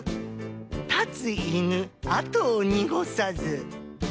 「立つ犬跡を濁さず」。